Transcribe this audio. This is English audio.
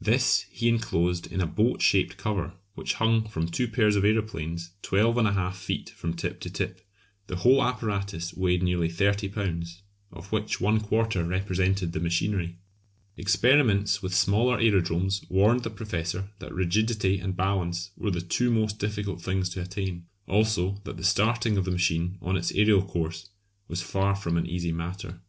This he enclosed in a boat shaped cover which hung from two pairs of aeroplanes 12 1/2 feet from tip to tip. The whole apparatus weighed nearly 30 lbs., of which one quarter represented the machinery. Experiments with smaller aerodromes warned the Professor that rigidity and balance were the two most difficult things to attain; also that the starting of the machine on its aerial course was far from an easy matter.